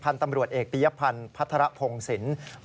พันธ์ตำรวจเอกพิยพันธ์พัฒระพงษ์ศิลป์